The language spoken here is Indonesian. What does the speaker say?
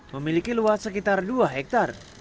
memiliki luas sekitar dua hektare